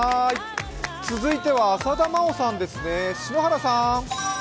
続いては浅田真央さんですね。